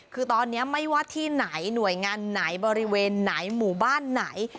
คือตอนนี้ไม่ว่าที่ไหนหน่วยงานไหนบริเวณไหนหมู่บ้านไหน